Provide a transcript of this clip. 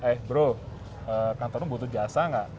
eh bro kantormu butuh jasa nggak